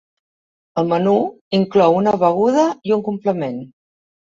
El menú inclou una beguda i un complement.